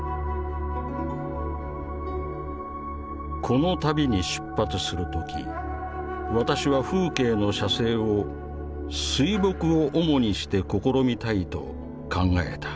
「この旅に出発する時私は風景の写生を水墨を主にして試みたいと考えた。